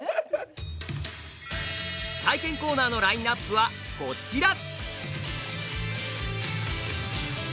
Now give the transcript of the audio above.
体験コーナーのラインナップはこちら。